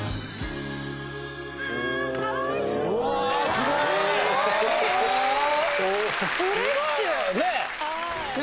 すごーい。